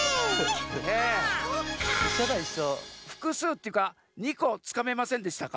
ふくすうっていうか２こつかめませんでしたか？